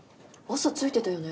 朝ついてたよね？